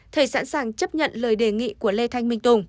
thầy sẵn sàng chấp nhận lời đề nghị của lê thanh minh tùng